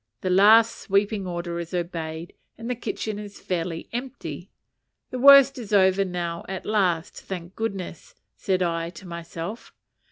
The last sweeping order is obeyed, and the kitchen is fairly empty. The worst is over now at last, thank goodness, said I to myself.